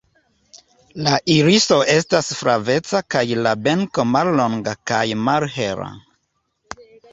La iriso estas flaveca kaj la beko mallonga kaj malhela.